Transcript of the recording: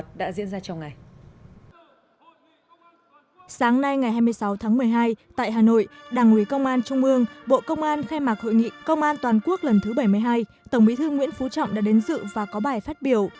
tại hà nội đảng ủy công an trung mương bộ công an khai mạc hội nghị công an toàn quốc lần thứ bảy mươi hai tổng bí thư nguyễn phú trọng đã đến dự và có bài phát biểu